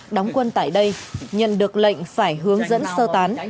đóng quân tại đây nhận được lệnh phải hướng dẫn sơ tán